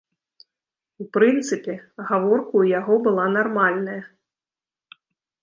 У прынцыпе, гаворка ў яго была нармальная.